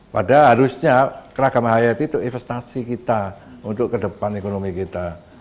padahal harusnya keragam hayati itu investasi kita untuk ke depan ekonomi kita